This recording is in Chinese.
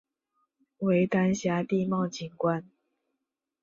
为丹霞地貌景观。